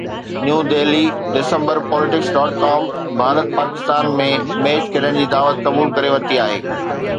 New Delhi December Politics.com Bharat Pakistan ۾ match کيڏڻ جي دعوت قبول ڪري ورتي آهي